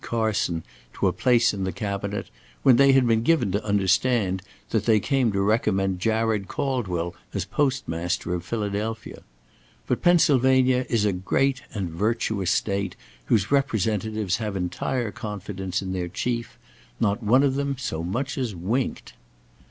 Carson to a place in the Cabinet, when they had been given to understand that they came to recommend Jared Caldwell as postmaster of Philadelphia. But Pennsylvania is a great and virtuous State, whose representatives have entire confidence in their chief. Not one of them so much as winked.